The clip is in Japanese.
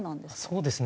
そうですね。